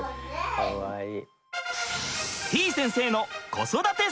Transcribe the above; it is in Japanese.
かわいい。